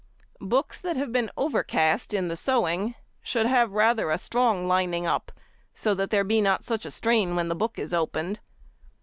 Books that have been over cast in the sewing should have rather a strong lining up, so that there be not such a strain when the book is opened.